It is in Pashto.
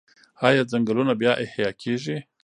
آیا ځنګلونه بیا احیا کیږي؟